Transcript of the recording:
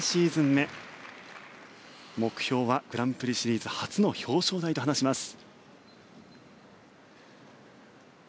目標はグランプリシリーズ初の表彰台と話します。